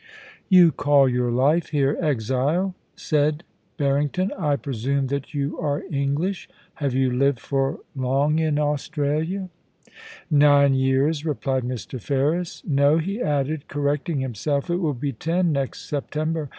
' You call your life here exile,' said Barrington. * I pre sume that you are English ? Have you lived for long in Australia ?* THE PREMIERS STOREKEEPER. 17 * Nine years,* replied Mr. Ferris. * No/ he added, cor recting himself, * it will be ten next September.